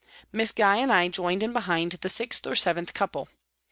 Miss Gye and I joined in behind the sixth or seventh couple.